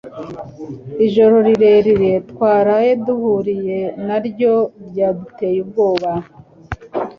Ijoro rirerire twaraye duhuye naryo ryaduteye ubwoba